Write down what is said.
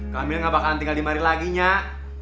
camilla gak bakalan tinggal di mari lagi nyak